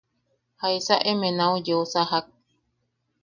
¿Jaisa emeʼe nau yeu sajak?